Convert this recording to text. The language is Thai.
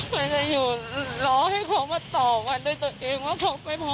มันจะอยู่รอให้เขามาตอบกันด้วยตัวเองว่าเขาไปเพราะอะไร